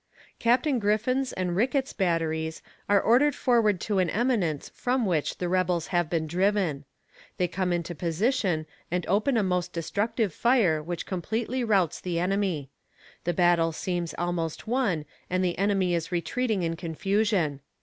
Captain Griffin's and Rickett's batteries are ordered forward to an eminence from which the rebels have been driven. They come into position and open a most destructive fire which completely routs the enemy. The battle seems almost won and the enemy is retreating in confusion.